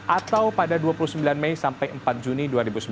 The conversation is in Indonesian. atau pada dua puluh sembilan mei sampai empat juni dua ribu sembilan belas